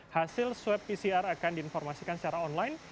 hasil swab pcr akan diinformasikan secara online